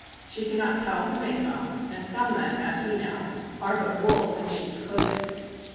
She cannot tell who may come, and some men, as we know, are but wolves in sheep's clothing.